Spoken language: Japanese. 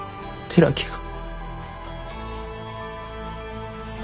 寺木が。